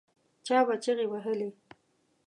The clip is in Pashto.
چا به چیغې وهلې.